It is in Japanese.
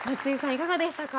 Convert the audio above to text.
いかがでしたか？